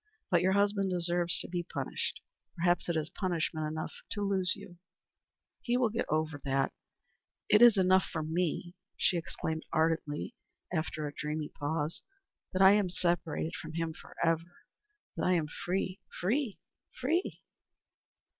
But your husband deserves to be punished. Perhaps it is punishment enough to lose you." "He will get over that. It is enough for me," she exclaimed, ardently, after a dreamy pause, "that I am separated from him forever that I am free free free."